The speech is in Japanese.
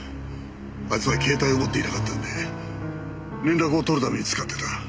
あいつは携帯を持っていなかったんで連絡を取るために使ってた。